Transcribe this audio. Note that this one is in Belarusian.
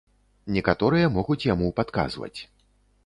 Некаторыя могуць яму падказваць.